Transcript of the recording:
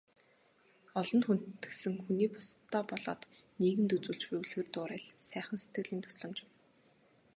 Олонд хүндлэгдсэн хүний бусдадаа болоод нийгэмд үзүүлж буй үлгэр дуурайл, сайхан сэтгэлийн тусламж юм.